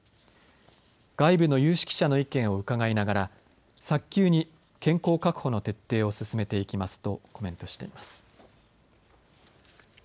外部の有識者の意見を伺いながら早急に健康確保の徹底を進めていきますとコメントしています。